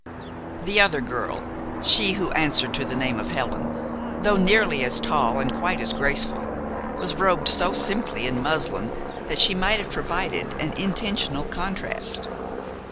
The other girl, she who answered to the name of Helen, though nearly as tall and quite as graceful, was robed so simply in muslin that she might have provided an intentional contrast.